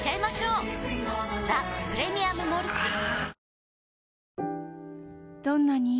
「ザ・プレミアム・モルツ」あー